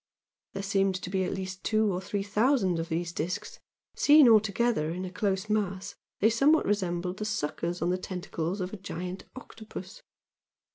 There seemed to be at least two or three thousand of these discs seen all together in a close mass they somewhat resembled the "suckers" on the tentacles of a giant octopus.